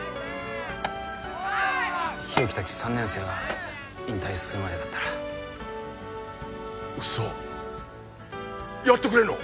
日沖達３年生が引退するまでだったら嘘やってくれるの？